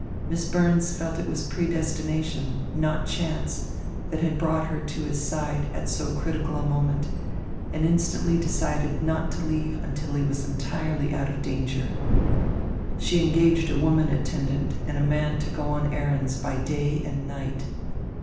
Miss Burns felt it was predestination, not chance, that had brought her to his side at so critical a moment, and instantly decided not to leave until he was entirely out of danger. She engaged a woman attendant and a man to go on errands by day and night.